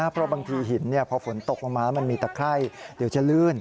เพราะบางทีหินพอฝนตกลงมาแล้วมันมีตะไคร้เดี๋ยวจะลื่น